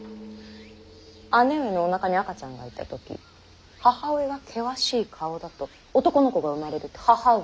姉上のおなかに赤ちゃんがいた時母親が険しい顔だと男の子が生まれるって義母上が言って。